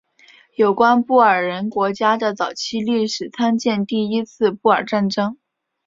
有关布尔人国家的早期历史参见第一次布尔战争。